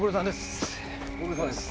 ご苦労さまです。